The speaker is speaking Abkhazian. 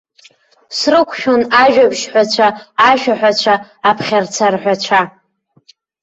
Срықәшәон ажәабжьҳәацәа, ашәаҳәацәа, аԥхьарцарҳәацәа.